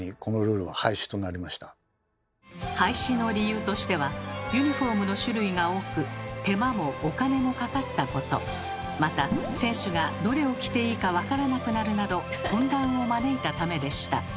廃止の理由としてはユニフォームの種類が多くまた選手がどれを着ていいかわからなくなるなど混乱を招いたためでした。